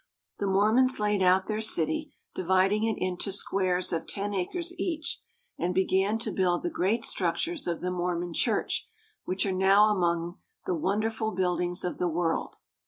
The Mormons laid out their city, dividing it into squares of ten acres each, and began to build the great structures of the Mormon Church which are now among the wonder ful buildings of the world.